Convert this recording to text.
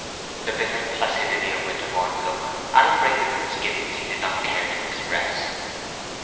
The bitter placidity of Winterborne's look adumbrated the misgivings he did not care to express.